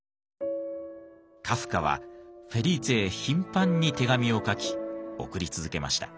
カフカはフェリーツェへ頻繁に手紙を書き送り続けました。